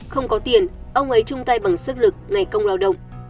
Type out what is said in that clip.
không có tiền ông ấy chung tay bằng sức lực ngày công lao động